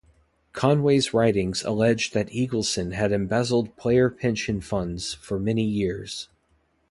Conway's writings alleged that Eagleson had embezzled player pension funds for many years.